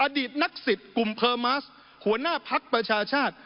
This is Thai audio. อดีตนักศิษย์กลุ่มเพอร์มัสหัวหน้าภักดิ์ประชาชาติ